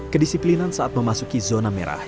kedisiplinan saat memasuki zona merah